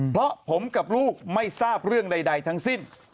เพราะผมกับลูกไม่ทราบเรื่องใดทั้งสิ้น